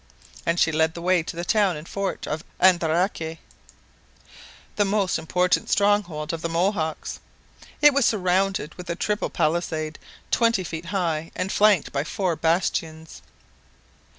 And she led the way to the town and fort of Andaraque, the most important stronghold of the Mohawks. It was surrounded with a triple palisade twenty feet high and flanked by four bastions.